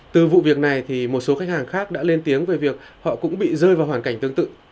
từ vụ việc này thì một số khách hàng khác đã lên tiếng về việc họ cũng bị rơi vào hoàn cảnh tương tự